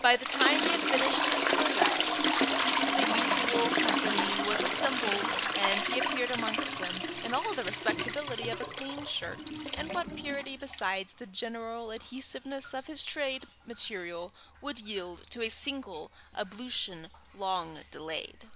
By the time he had finished his toilet, the usual company was assembled, and he appeared amongst them in all the respectability of a clean shirt and what purity besides the general adhesiveness of his trade material would yield to a single ablution long delayed.